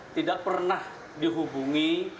tidak pernah dihubungi